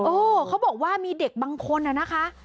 เขาบอกว่ามีเด็กบางคนน่ะนะคะ